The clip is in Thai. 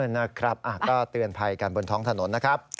นะครับก็เตือนภัยกันบนท้องถนนนะครับ